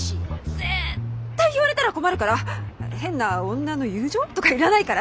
絶対言われたら困るから変な女の友情とかいらないから。